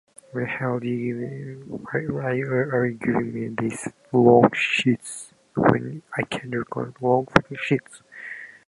The maximum percentage of absenteeism to receive the loyalty payment will be two per cent by the years two thousand and sixteen, two thousand and seventeen and two thousand and eighteen.